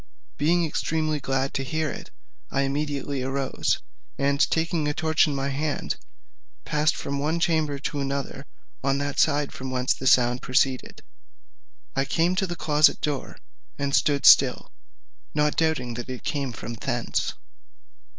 Being extremely glad to hear it, I immediately arose, and taking a torch in my hand, passed from one chamber to another on that side from whence the sound proceeded. I came to the closet door, and stood still, not doubting that it came from thence.